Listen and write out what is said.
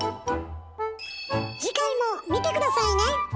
次回も見て下さいね！